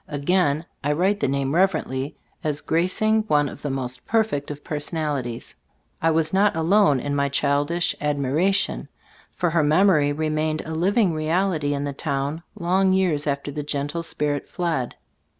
Again, I write the name rever ently, as gracing one of the most perfect of personalities. I was not alone in my childish admiration, for her memory remained a living ttbe Storg of A£Gbftobod& 33 reality in the town long years after the gentle spirit fled.